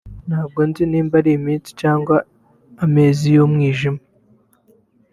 ntabwo nzi niba ari iminsi cyangwa amezi y’umwijima